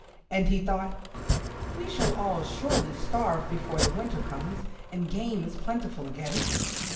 And he thought, "We shall all surely starve before the winter comes, and game is plentiful again."